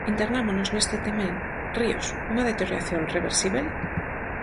Internámonos neste tema en 'Ríos, unha deterioración reversíbel?'.